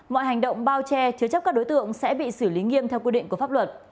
mọi hành động bao che chứa chấp các đối tượng sẽ bị xử lý nghiêm theo quy định của pháp luật